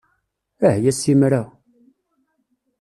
Ahya ssimra!